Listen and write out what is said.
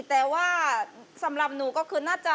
แต่ว่าสำหรับหนูก็คือน่าจะ